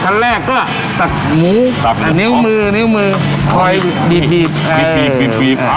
ชั้นแรกก็ตักหมูนิ้วมือนิ้วมือคอยบีบขา